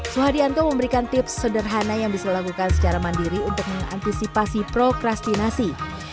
suhadianto memberikan tips sederhana yang bisa dilakukan secara mandiri untuk mengantisipasi prokrastinasi